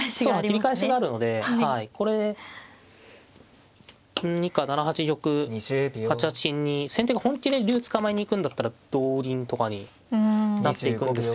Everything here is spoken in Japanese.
切り返しがあるのでこれ以下７八玉８八金に先手が本気で竜捕まえに行くんだったら同銀とかになっていくんですけれども。